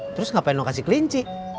terus ngapain mau kasih kelinci